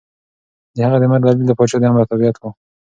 د هغه د مرګ دلیل د پاچا د امر تابعیت و.